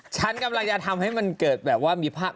ฉันกำลังจะทำให้มันเกิดแบบว่ามีภาพ